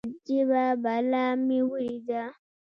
اجبه بلا مې وليده.